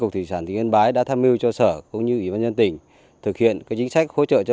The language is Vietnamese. tỉnh yên bái đã tham mưu cho sở cũng như ủy ban nhân tỉnh thực hiện các chính sách hỗ trợ cho